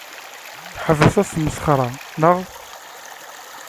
Ḥbes asmesxer-a, naɣ?